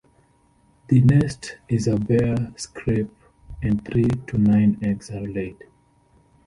The nest is a bare scrape, and three to nine eggs are laid.